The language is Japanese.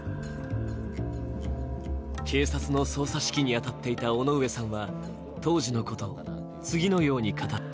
警察の捜査指揮に当たっていた尾上さんは当時のことを次のように語った。